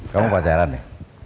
kamu pacaran ya